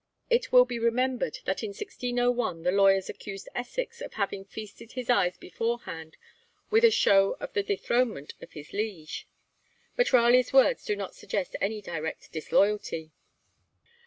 It will be remembered that in 1601 the lawyers accused Essex of having feasted his eyes beforehand with a show of the dethronement of his liege; but Raleigh's words do not suggest any direct disloyalty.